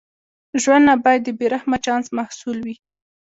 ژوند نه باید د بې رحمه چانس محصول وي.